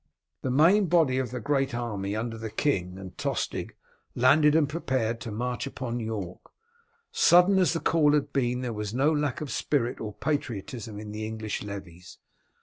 The main body of the great army under the king and Tostig landed and prepared to march upon York. Sudden as the call had been there was no lack of spirit or patriotism in the English levies.